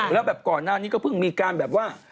แล้วแบบก่อนหน้านี้ก็เพิ่งมีการแบบว่า